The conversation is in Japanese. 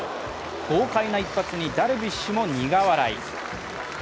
豪快な一発にダルビッシュも苦笑い。